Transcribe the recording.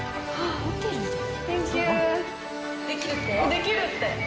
できるって？